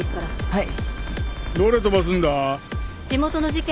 はい。